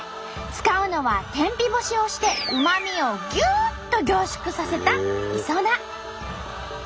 使うのは天日干しをしてうまみをぎゅっと凝縮させたいそな。